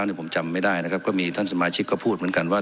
นี่ผมจำไม่ได้นะครับก็มีท่านสมาชิกก็พูดเหมือนกันว่า